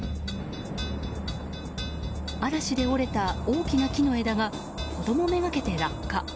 嵐で折れた大きな木の枝が子供めがけて落下。